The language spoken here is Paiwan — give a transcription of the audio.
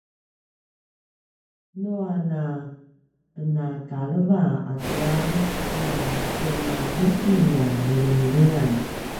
nua na penakaleva atua na temaljiti a milimilingan